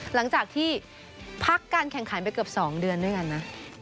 หลังจากที่พักการแข่งขันไปเกือบ๒เดือนด้วยกันนะ